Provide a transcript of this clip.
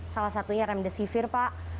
salah satunya remdesivir pak